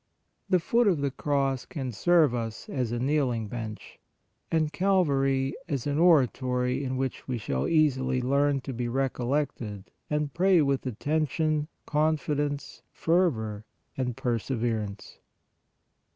The foot of the Cross can serve us as a kneeling bench, and Calvary as an oratory in 194 PRAYER which we shall easily learn to be recollected and pray with attention, confidence, fervor and perse verance.